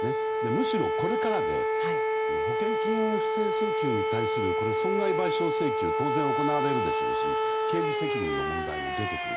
むしろ、これからで保険金不正請求に対する損害賠償請求が当然、行われるでしょうし刑事責任の問題も出てくる。